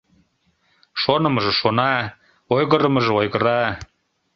Шонымыжо — шона, ойгырымыжо — ойгыра...